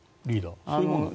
そういうものなの？